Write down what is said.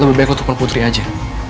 lebih baik lo telepon putri aja